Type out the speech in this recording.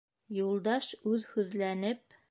Юлдаш үҙһүҙләнеп: